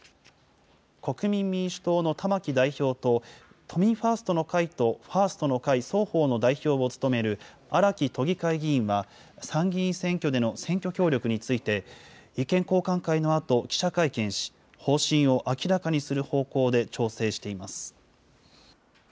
国民民主党の玉木代表と、都民ファーストの会とファーストの会双方の代表を務める荒木都議会議員は、参議院選挙での選挙協力について、意見交換会のあと記者会見し、方針を明らかにする方向で調整しています。